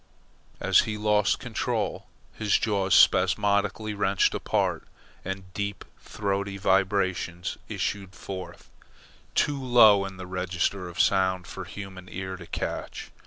As he lost control, his jaws spasmodically wrenched apart, and deep throaty vibrations issued forth, too low in the register of sound for human ear to catch.